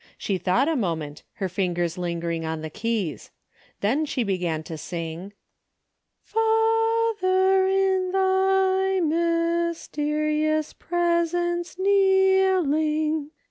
She thought a moment, her fingers lin gering on the keys. Then she began to sing :" Father in thy mysterious presence kneeling.